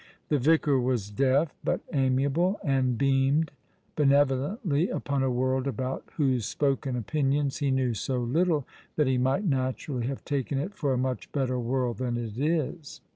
The vicar was deaf, but amiable, and beamed benevolently upon a world about whose spoken opinions he knew so little that he might natu rally have taken it for a much better world than it is.